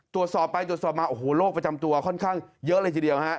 ตรวจสอบไปตรวจสอบมาโอ้โหโรคประจำตัวค่อนข้างเยอะเลยทีเดียวฮะ